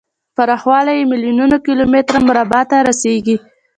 پراخوالی یې میلیون کیلو متر مربع ته رسیږي.